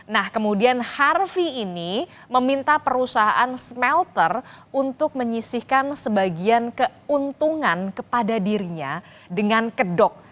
nah kemudian harfi ini meminta perusahaan smelter untuk menyisihkan sebagian keuntungan kepada dirinya dengan kedok